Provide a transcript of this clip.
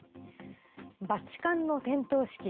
バチカンの点灯式